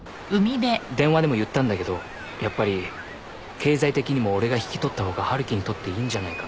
電話でも言ったんだけどやっぱり経済的にも俺が引き取った方が春樹にとっていいんじゃないかな？